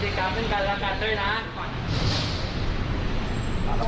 ให้หลุงมารับนะ